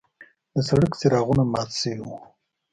د سړک څراغونه مات شوي وو.